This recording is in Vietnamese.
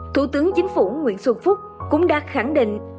thủ tướng chính phủ nguyễn xuân phúc cũng đã khẳng định